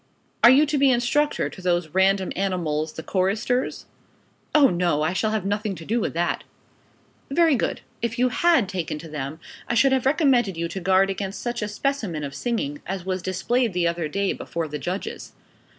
"Are you to be instructor to those random animals, the choristers?" "Oh no: I shall have nothing to do with that." "Very good. If you had taken to them, I should have recommended you to guard against such a specimen of singing as was displayed the other day before the judges."